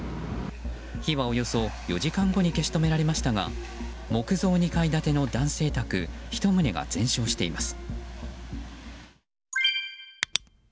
火はおよそ４時間後に消し止められましたが木造２階建ての男性宅１棟が全焼しています。